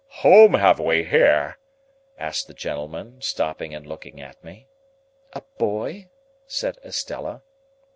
"Whom have we here?" asked the gentleman, stopping and looking at me. "A boy," said Estella.